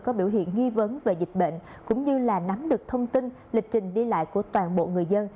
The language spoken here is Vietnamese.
có biểu hiện nghi vấn về dịch bệnh cũng như là nắm được thông tin lịch trình đi lại của toàn bộ người dân